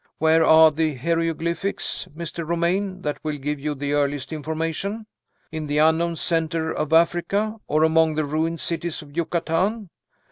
Where are the hieroglyphics, Mr. Romayne, that will give you the earliest information? In the unknown center of Africa, or among the ruined cities of Yucatan?